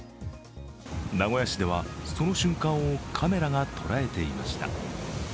名古屋市では、その瞬間をカメラが捉えていました。